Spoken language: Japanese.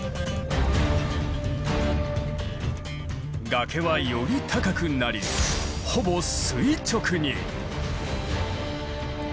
崖はより高くなりほぼ垂直に。